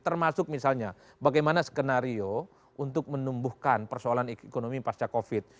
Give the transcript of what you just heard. termasuk misalnya bagaimana skenario untuk menumbuhkan persoalan ekonomi pasca covid